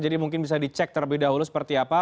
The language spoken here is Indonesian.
jadi mungkin bisa dicek terlebih dahulu seperti apa